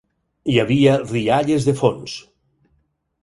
Hi havia rialles de fons.